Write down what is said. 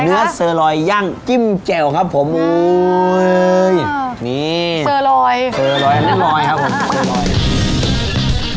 เนื้อเสอรอยย่างจิ้มแจ่วครับผมอู๋นี่เสอรอยเสอรอยเรียกรอยครับผม